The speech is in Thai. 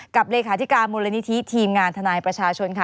เลขาธิการมูลนิธิทีมงานทนายประชาชนค่ะ